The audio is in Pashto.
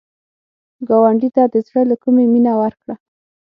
ګاونډي ته د زړه له کومي مینه ورکړه